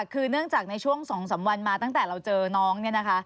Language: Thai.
คือเนื่องจากในช่วง๒๓วันมาตั้งแต่เราเจอน้องเนี่ยนะคะ